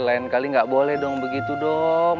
lain kali nggak boleh dong begitu dong